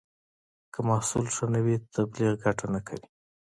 که محصول ښه نه وي، تبلیغ ګټه نه کوي.